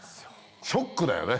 ショックだよね。